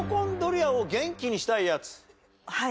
はい。